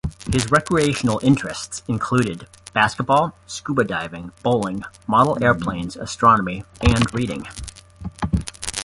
His recreational interests include basketball, scuba diving, bowling, model airplanes, astronomy and reading.